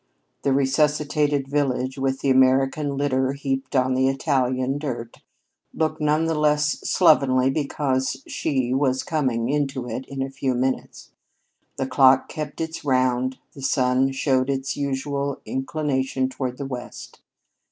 The resuscitated village, with the American litter heaped on the Italian dirt, looked none the less slovenly because She was coming into it in a few minutes. The clock kept its round; the sun showed its usual inclination toward the west.